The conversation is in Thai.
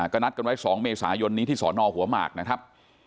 ก็นัดกันไว้๒เมษายนนี้ที่สอนอหัวหมากนะครับ